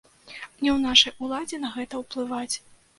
Не ў нашай уладзе на гэта ўплываць!